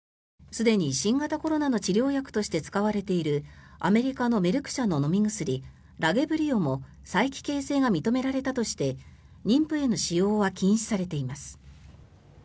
すでに新型コロナの治療薬として使われているアメリカのメルク社の飲み薬ラゲブリオも催奇形性が認められたとして妊婦への使用は禁止されています。